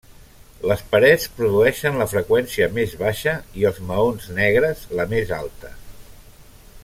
Les parets produeixen la freqüència més baixa i els maons negres la més alta.